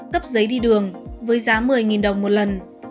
cấp giấy đi đường với giá một mươi đồng một lần